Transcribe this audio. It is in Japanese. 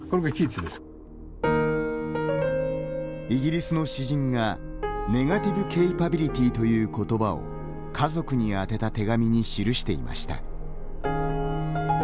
イギリスの詩人がネガティブ・ケイパビリティという言葉を家族に宛てた手紙に記していました。